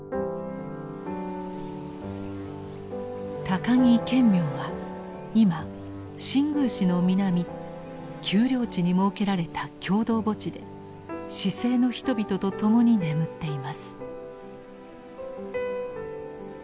高木顕明は今新宮市の南丘陵地に設けられた共同墓地で市井の人々と共に眠っています。